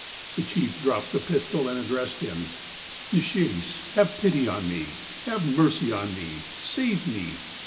" The chief dropped the pistol, and addressed him :"' Nishaes, have pity on me. Have mercy on me. Save me